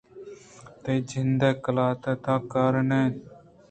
تئی جند قلات ءِ تہاکار ءَ نہ اِنت